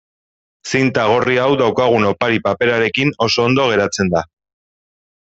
Zinta gorri hau daukagun opari-paperarekin oso ondo geratzen da.